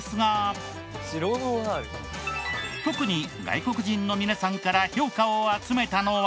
特に外国人の皆さんから評価を集めたのは。